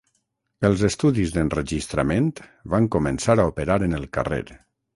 Els estudis d'enregistrament van començar a operar en el carrer.